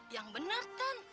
yang benar ten